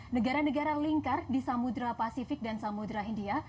negara negara lingkar di samudera pasifik dan samudera india